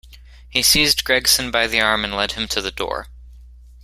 He seized Gregson by the arm and led him to the door.